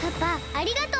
ありがとう！